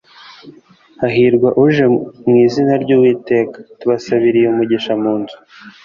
Hahirwa uje mu izina ry’uwiteka, tubasabiriye umugisha munzu